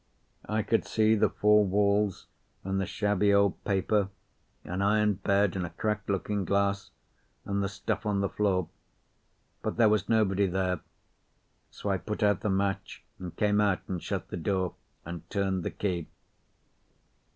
I could see the four walls and the shabby old paper, an iron bed and a cracked looking glass, and the stuff on the floor. But there was nobody there. So I put out the match, and came out and shut the door and turned the key.